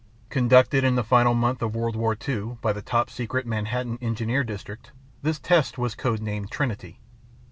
Conducted in the final month of World War II by the top secret Manhattan Engineer District, this test was code named Trinity.